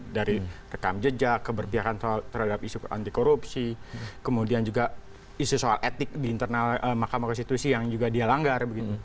dari rekam jejak keberpihakan terhadap isu anti korupsi kemudian juga isu soal etik di internal mahkamah konstitusi yang juga dia langgar